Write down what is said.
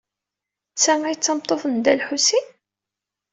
D ta ay d tameṭṭut n Dda Lḥusin?